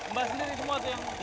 mbah sendiri semua tuh yang buat